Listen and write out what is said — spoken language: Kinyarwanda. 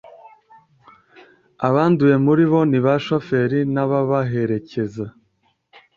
abanduye muri bo ni bashoferi n’ababaherekeza.